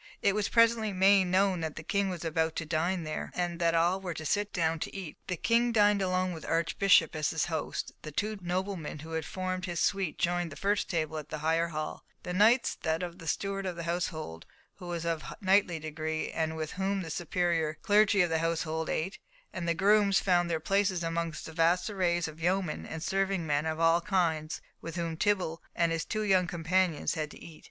It was presently made known that the King was about to dine there, and that all were to sit down to eat. The King dined alone with the Archbishop as his host; the two noblemen who had formed his suite joined the first table in the higher hall; the knights that of the steward of the household, who was of knightly degree, and with whom the superior clergy of the household ate; and the grooms found their places among the vast array of yeomen and serving men of all kinds with whom Tibble and his two young companions had to eat.